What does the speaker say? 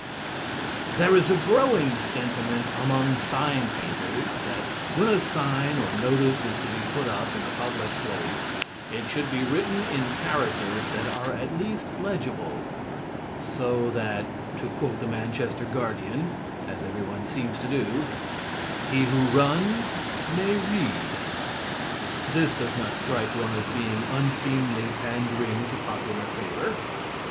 There is a growing sentiment among sign painters that when a sign or notice is to be put up in a public place it should be written in characters that are at least legible, so that, to quote "The Manchester Guardian" (as every one seems to do) "He who runs may read." This does not strike one as being an unseemly pandering to popular favor.